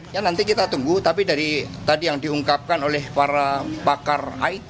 ya nanti kita tunggu tapi dari tadi yang diungkapkan oleh para pakar it